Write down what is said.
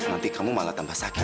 nanti kamu malah tambah sakit